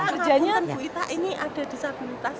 kerjanya ini ada disabilitas